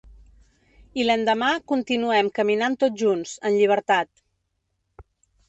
I l’endemà continuem caminant tots junts, en llibertat.